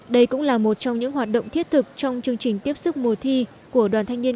đây cũng là một trong những hoạt động thiết thực trong chương trình tiếp sức mùa thi của đoàn thanh niên